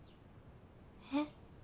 えっ？